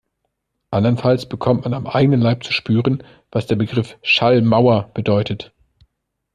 Andernfalls bekommt man am eigenen Leib zu spüren, was der Begriff Schallmauer bedeutet.